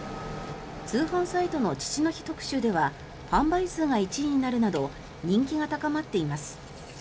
通販サイトの父の日特集では販売数が１位になるなど人気が高まっています。